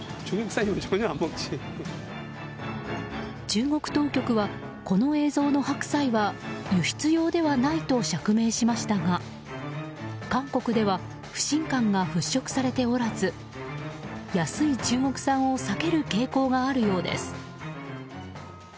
中国当局は、この映像の白菜は輸出用ではないと釈明しましたが韓国では不信感が払拭されておらず安い中国産を避ける傾向があるようです。